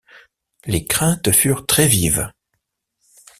Les craintes furent très-vives.